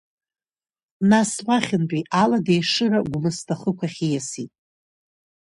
Нас уахьынтәи Алада Ешыра Гәымсҭа ахықәахь ииасит.